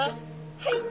はい。